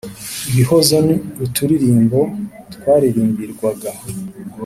ibihozo ni uturirimbo twaririmbirwaga